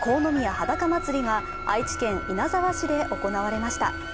はだか祭が愛知県稲沢市で行われました。